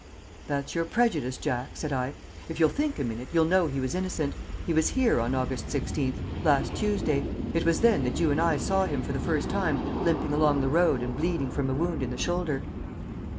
"That's your prejudice, Jack," said I. "If you'll think a minute you'll know he was innocent. He was here on August 16th last Tuesday. It was then that you and I saw him for the first time limping along the road and bleeding from a wound in the shoulder."